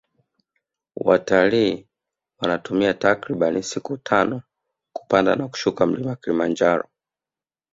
watalii wanatumia takribani siku tano kupanda na kushuka mlima kilimanjaro